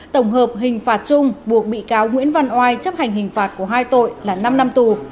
tổng hợp hình phạt chung buộc bị cáo nguyễn văn oai chấp hành hình phạt của hai tội là năm năm tù